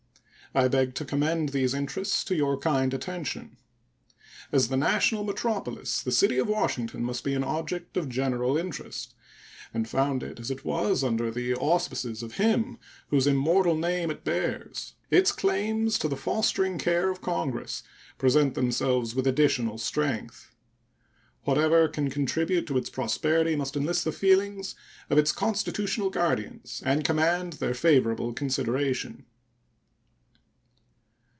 I beg to commend these interests to your kind attention. As the national metropolis the city of Washington must be an object of general interest; and founded, as it was, under the auspices of him whose immortal name it bears, its claims to the fostering care of Congress present themselves with additional strength. Whatever can contribute to its prosperity must enlist the feelings of its constitutional guardians and command their favorable consideration.